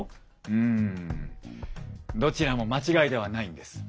うんどちらも間違いではないんです。